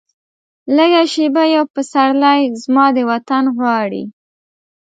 لږه شیبه یو پسرلی، زما د وطن غواړي